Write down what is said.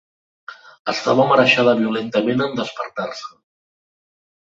Estava marejada violentament en despertar-se.